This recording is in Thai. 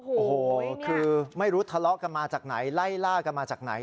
โอ้โหคือไม่รู้ทะเลาะกันมาจากไหนไล่ล่ากันมาจากไหน